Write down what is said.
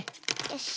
よし！